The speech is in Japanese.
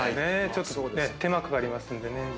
ちょっとね手間かかりますんでね。